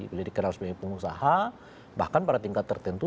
beliau dikenal sebagai pengusaha bahkan pada tingkat tertentu